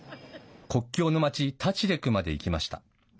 国境の町タチレクまで行きました。